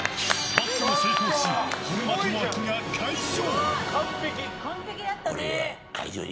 バックも成功し本間朋晃が快勝！